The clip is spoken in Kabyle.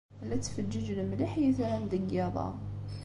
La ttfeǧǧiǧen mliḥ yitran deg yiḍ-a.